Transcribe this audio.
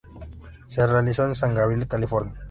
Se realizó en San Gabriel, California.